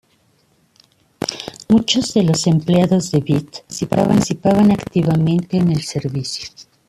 Muchos de los empleados de "Byte" participaban activamente en el servicio.